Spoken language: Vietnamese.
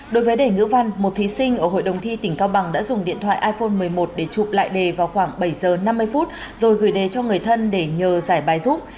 đối với đề ngữ văn một thí sinh ở hội đồng thi tỉnh cao bằng đã dùng điện thoại iphone một mươi một để chụp lại đề vào khoảng bảy giờ năm mươi phút rồi gửi đề cho người thân để nhờ giải bài giúp